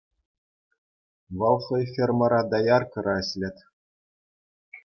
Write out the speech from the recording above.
Вӑл хӑй фермӑра дояркӑра ӗҫлет.